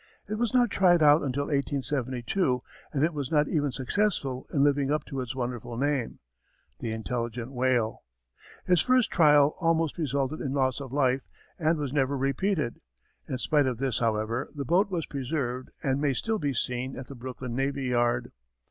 It was not tried out until 1872 and it was not even successful in living up to its wonderful name, The Intelligent Whale. Its first trial almost resulted in loss of life and was never repeated. In spite of this, however, the boat was preserved and may still be seen at the Brooklyn Navy Yard.